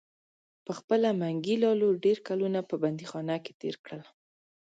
پخپله منګي لالو ډیر کلونه په بندیخانه کې تیر کړل.